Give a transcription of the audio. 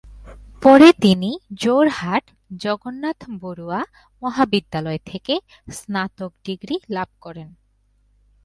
পরে, তিনি যোরহাট "জগন্নাথ বড়ুয়া মহাবিদ্যালয়" থেকে স্নাতক ডিগ্রী লাভ করেন।